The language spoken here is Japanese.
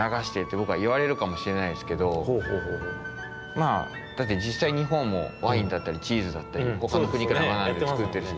まあだってじっさいにほんもワインだったりチーズだったりほかのくにからまなんでつくってるし。